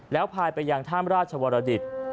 แล้วพายไปยังท่ามราชวรดิต